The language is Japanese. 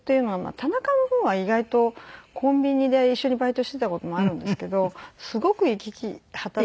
田中の方は意外とコンビニで一緒にバイトしてた事もあるんですけどすごく生き生き働いてたんで。